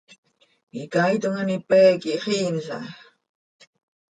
Icaaitom an ipé quih xiinla.